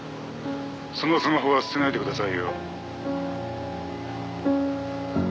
「そのスマホは捨てないでくださいよ」